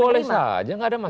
boleh saja nggak ada masalah